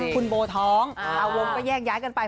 คุณโบท้องอาวงก็แยกย้ายกันไป